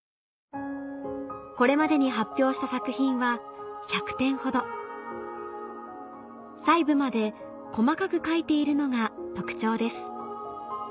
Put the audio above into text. これまでに発表した作品は１００点ほど細部まで細かく描いているのが特徴です